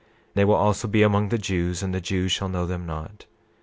28:28 They will also be among the Jews, and the Jews shall know them not.